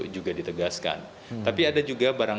juga ditegaskan tapi ada juga barang